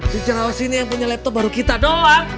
si ceraos ini yang punya laptop baru kita doang